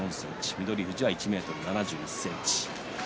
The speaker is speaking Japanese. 翠富士は１ｍ７１ｃｍ。